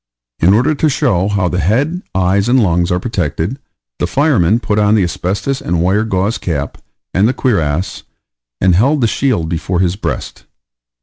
In order to show how the head, eyes, and lungs are protected, the fireman put on the asbestos and wire gauze cap, and the cuirass, and held the shield before his breast.